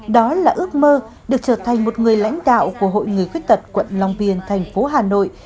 đó là ước mơ được trở thành một người lãnh đạo của hội người khuyết tật quận long biên thành phố hà nội